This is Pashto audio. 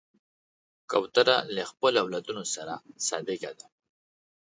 کوتره له خپلو اولادونو سره صادقه ده.